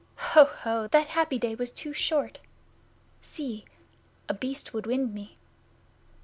Ho! Ho! That happy day was too short! See! A Beast would wind me.